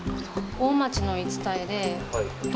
大町の言い伝えで女